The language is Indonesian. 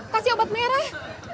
kasih obat merah